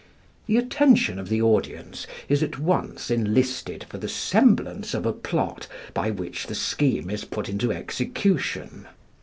The attention of the audience is at once enlisted for the semblance of a plot by which the scheme is put into execution.